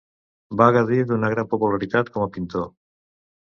Va gaudir d'una gran popularitat com a pintor.